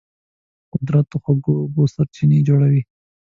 قدرت د خوږو اوبو سرچینې جوړوي.